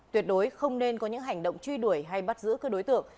tuyệt đối không nên có những hành động truy đuổi hay bắt giữ cơ đối tượng